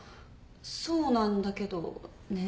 そうなんだけどね。